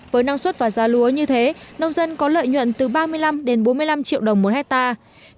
với năng suất và giá lúa như thế nông dân có lợi nhuận từ ba mươi năm đến bốn mươi năm triệu đồng một hectare